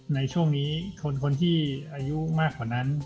ในช่วงนี้คนที่อายุมากกว่านั้น